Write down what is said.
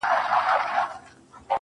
گوندې زما له لاسه تاته هم پېغور جوړ سي~